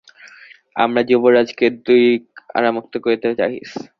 আমার যুবরাজকে তুই কারামুক্ত করিতে চাহিস্।